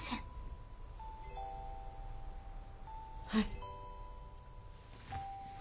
はい。